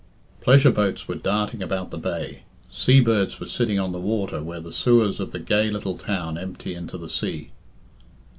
Pleasure boats were darting about the bay. Sea birds were sitting on the water where the sewers of the gay little town empty into the sea.